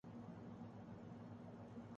پھسلتے پھسلتے بحیثیت قوم ہم یہاں پہنچے ہیں۔